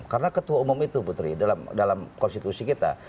karena ketua umum itu putri dalam konstitusi kita